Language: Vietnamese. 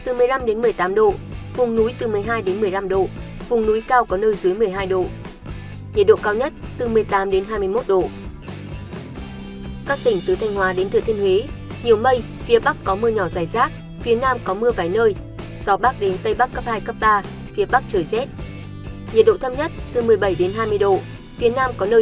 nhiệt độ thâm nhất từ một mươi bảy đến hai mươi độ phía nam có nơi trên hai mươi độ